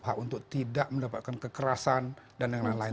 hak untuk tidak mendapatkan kekerasan dan lain lain